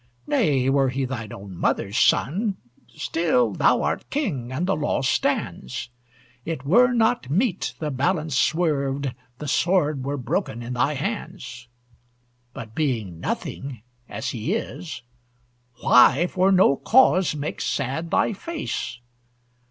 Nay, were he thine own mother's son, Still, thou art king, and the law stands. It were not meet the balance swerved, The sword were broken in thy hands. But being nothing, as he is, Why for no cause make sad thy face?